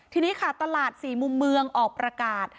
ทีนี้ค่ะตลาด๔มุมเมืองออกประกาศ